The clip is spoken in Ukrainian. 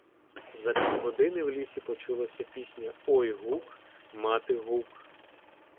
За півгодини в лісі почулася пісня "Ой гук, мати, гук".